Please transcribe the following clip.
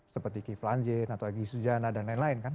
seperti ki flanjen atau agyi sujana dan lain lain kan